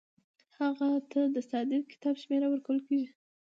هغه ته د صادرې کتاب شمیره ورکول کیږي.